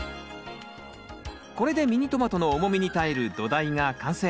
これでミニトマトの重みに耐える土台が完成。